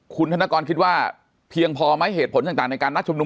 คุณธนกรคิดว่าเพียงพอไหมเหตุผลต่างในการนัดชุมนุม